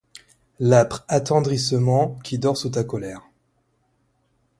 L'âpre attendrissement qui dort sous ta colère